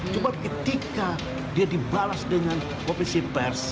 cuma ketika dia dibalas dengan komisi pers